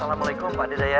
assalamualaikum pakde dayang